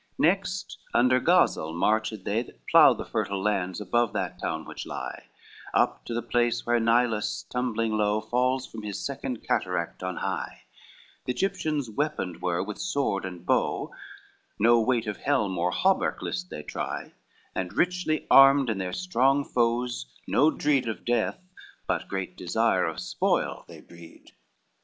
XVIII Next under Gazel marched they that plough The fertile lands above that town which lie Up to the place where Nilus tumbling low Falls from his second cataract from high; The Egyptians weaponed were with sword and bow, No weight of helm or hauberk list they try, And richly armed, in their strong foes no dreed Of death but great desire of spoil they breed.